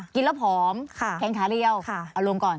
กินแล้วผอมแขนขาเรียวเอาลงก่อน